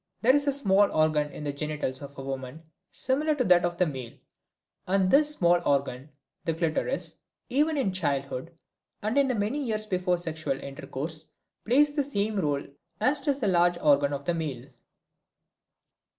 There is a small organ in the genitals of a woman similar to that of the male, and this small organ, the clitoris, even in childhood, and in the years before sexual intercourse, plays the same role as does the large organ of the male.